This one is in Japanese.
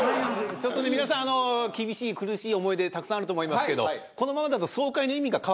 ちょっとね皆さんあの厳しい苦しい思い出たくさんあると思いますけど。